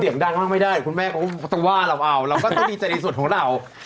ดังมากไม่ได้คุณแม่เขาก็ต้องว่าเราเอาเราก็ต้องดีใจในส่วนของเรา